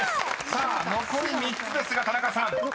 ［残り３つですが田中さん］横。